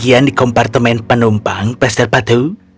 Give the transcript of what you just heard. kepergian di kompartemen penumpang pastor patu